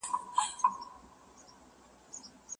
مطالعه د کشفي پروسې سره هم مرسته کوي.